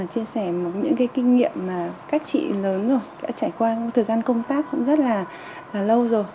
chia sẻ những kinh nghiệm mà các chị lớn rồi đã trải qua một thời gian công tác rất là lâu